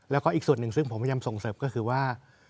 แล้วก็อีกส่วนหนึ่งซึ่งผมพยายามส่งเสริมก็คือว่า